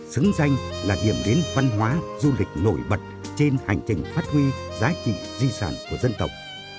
xứng danh là điểm đến văn hóa du lịch nổi bật trên hành trình phát huy giá trị di sản của dân tộc